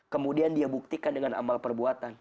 kemudian dia buktikan dengan amal perbuatan